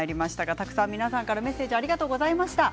たくさん皆さんからメッセージありがとうございます。